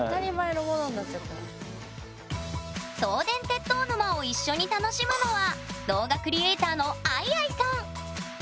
送電鉄塔沼を一緒に楽しむのは動画クリエーターのぁぃぁぃさん